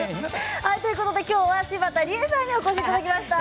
きょうは柴田理恵さんにお越しいただきました。